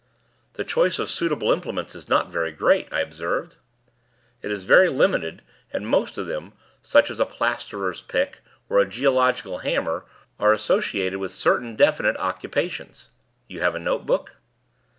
"The choice of suitable implements is not very great," I observed. "It is very limited, and most of them, such as a plasterer's pick or a geological hammer, are associated with certain definite occupations. You have a notebook?"